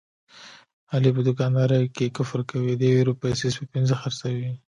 علي په دوکاندارۍ کې کفر کوي، د یوې روپۍ څیز په پینځه خرڅوي.